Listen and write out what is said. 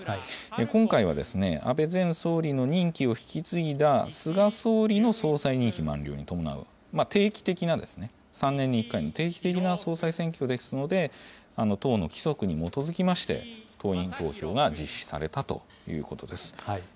今回は、安倍前総理の任期を引き継いだ菅総理の総裁任期満了に伴う定期的な、３年に１回の定期的な総裁選挙ですので、党の規則に基づきまして、党員投票が実施されたということです。